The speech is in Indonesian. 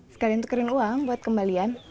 sekalian tukerin uang buat kembalian